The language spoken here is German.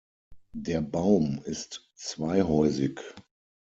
Der Baum ist zweihäusig.